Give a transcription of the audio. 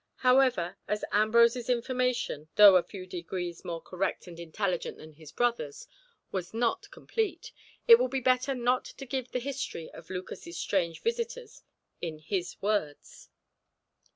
However, as Ambrose's information, though a few degrees more correct and intelligent than his brother's, was not complete, it will be better not to give the history of Lucas's strange visitors in his words.